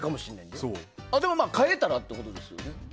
だから変えたらってことですよね。